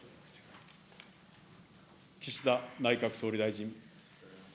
岸田内閣総理大臣。